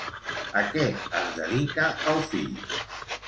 A què es dedica el fill?